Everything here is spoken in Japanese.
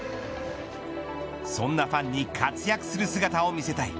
そんなファンに活躍する姿を見せたい。